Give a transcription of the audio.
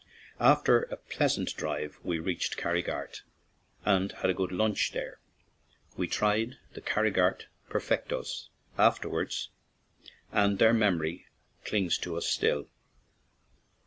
After a pleasant drive we reached Carri gart and had a good lunch there; we tried the Carrigart "perfectos" afterwards, and their memory clings to us still!